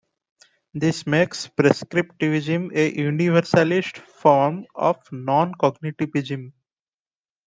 This makes prescriptivism a universalist form of non-cognitivism.